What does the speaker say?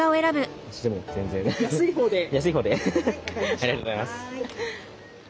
ありがとうございます。